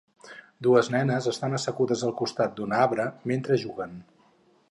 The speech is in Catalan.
dues nenes estan assegudes al costat d'un arbre mentre juguen.